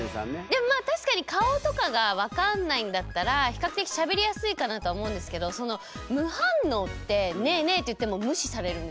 でもまあ確かに顔とかが分かんないんだったら比較的しゃべりやすいかなと思うんですけどその無反応って「ねぇねぇ」って言っても無視されるんですよね？